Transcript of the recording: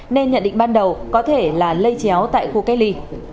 nên nhận định ban đầu có thể là lây chéo tại khu cách ly